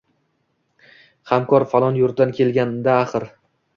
Hamkor falon yurtdan kelganda axir.